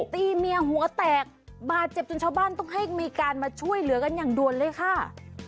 ตีเมียหัวแตกบาดเจ็บจนชาวบ้านต้องให้มีการมาช่วยเหลือกันอย่างด่วนเลยค่ะ